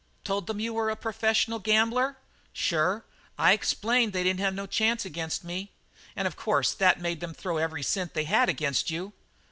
"Told them you were a professional gambler?" "Sure. I explained they didn't have no chance against me." "And of course that made them throw every cent they had against you?"